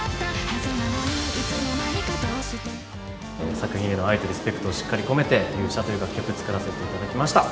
作品への愛とリスペクトをしっかり込めて、勇者という楽曲を作らせていただきました。